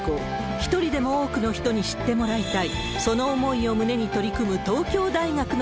一人でも多くの人に知ってもらいたい。